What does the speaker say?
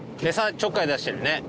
ちょっかい出してるね。